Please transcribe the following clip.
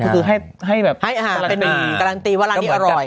ใกล้เห่นกรรตีวัดละนี้อร่อย